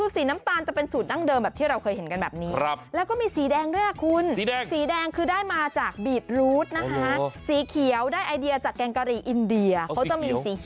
สีน้ำตาลเป็นสูตรนั่งเดิม